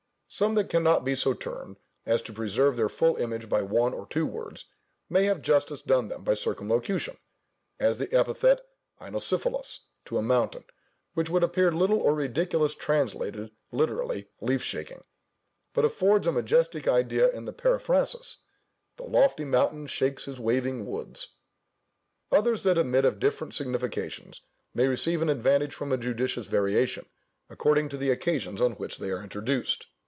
Some that cannot be so turned, as to preserve their full image by one or two words, may have justice done them by circumlocution; as the epithet einosiphyllos to a mountain, would appear little or ridiculous translated literally "leaf shaking," but affords a majestic idea in the periphrasis: "the lofty mountain shakes his waving woods." Others that admit of different significations, may receive an advantage from a judicious variation, according to the occasions on which they are introduced.